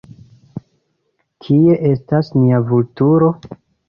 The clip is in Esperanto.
Kie estas nia Vulturo?